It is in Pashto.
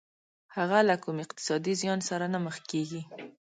هغه له کوم اقتصادي زيان سره نه مخ کېږي.